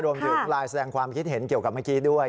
รวมถึงไลน์แสดงความคิดเห็นเกี่ยวกับเมื่อกี้ด้วย